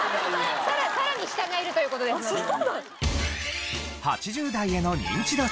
さらに下がいるという事ですので。